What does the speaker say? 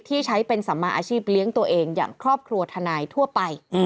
ที่ใช้เป็นสัมมาอาชีพเลี้ยงตัวเองอย่างครอบครัวทนายทั่วไป